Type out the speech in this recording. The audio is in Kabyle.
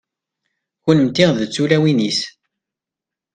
kunemti d tulawin-is